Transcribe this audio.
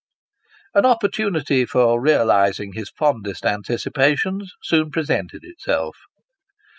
An opportunity for realising his fondest anticipations, soon pre sented itself.